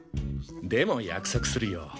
でも約束するよ。